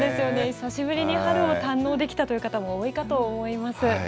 久しぶりに春を堪能できたという方も多いかと思います。